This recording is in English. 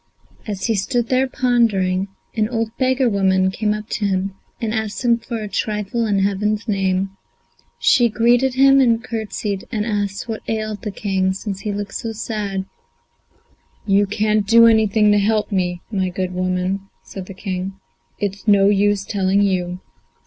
As he stood there pondering, an old beggar woman came up to him and asked him for a trifle in heaven's name. She greeted him and curtsied, and asked what ailed the King, since he looked so sad. "You can't do anything to help me, my good woman," said the King; "it's no use telling you."